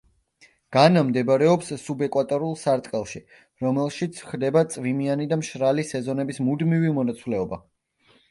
განა მდებარეობს სუბეკვატორულ სარტყელში, რომელშიც ხდება წვიმიანი და მშრალი სეზონების მუდმივი მონაცვლეობა.